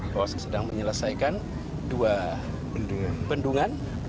bahwa sedang menyelesaikan dua bendungan